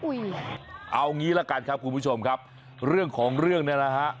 เอางี้ละกันครับคุณผู้ชมครับเรื่องของเรื่องเนี่ยนะฮะ